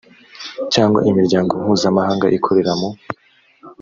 cyangwa imiryango mpuzamahanga ikorera mu